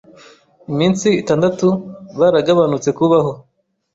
Iminsi itandatu baraga banutse kubaho